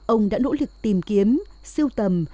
ông đã nỗ lực tìm kiếm siêu tầm